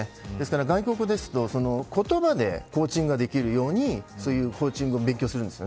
外国ですと、言葉でコーチングができるようにコーチングを勉強するんです。